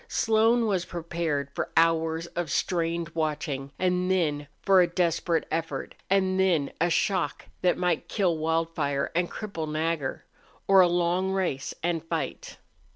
Slone was prepared for hours of strained watching, and then a desperate effort, and then a shock that might kill Wildfire and cripple Nagger, or a long race and fight.